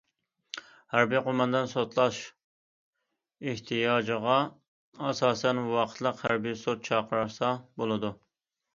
ھەربىي قوماندان سوتلاش ئېھتىياجىغا ئاساسەن، ۋاقىتلىق ھەربىي سوت چاقىرسا بولىدۇ.